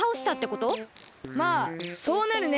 まあそうなるね。